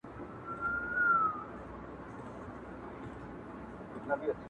چي تا خر بولي پخپله بې عقلان دي-